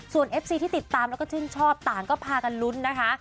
ส่วนเอฟซีที่ติดตามแล้วก็ชื่นชอบต่างก็พากันลุ้นนะคะ